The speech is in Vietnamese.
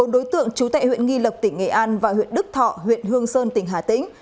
bốn đối tượng trú tại huyện nghi lộc tỉnh nghệ an và huyện đức thọ huyện hương sơn tỉnh hà tĩnh